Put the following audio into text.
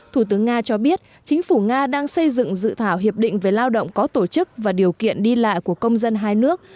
thủ tướng nga cho biết chính phủ nga đang xây dựng dự thảo hiệp định về lao động có tổ chức và điều kiện đi lại của công dân hai nước